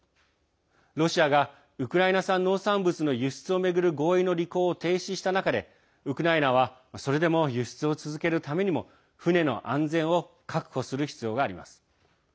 ロシアがウクライナ産農産物の輸出を巡る合意の履行を停止した中で、ウクライナはそれでも輸出を続けるためにも船の安全を確保する必要があります。